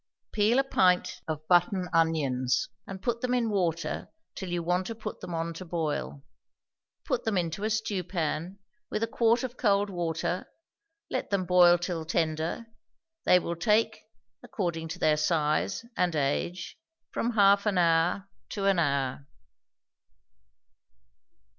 Peel a pint of button onions, and put them in water till you want to put them on to boil; put them into a stewpan, with a quart of cold water; let them boil till tender; they will take (according to their size and age) from half an hour to an hour.